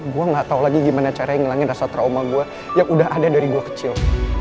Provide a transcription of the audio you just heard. gue gak tau lagi gimana caranya ngilangin rasa trauma gue yang udah ada dari gua kecil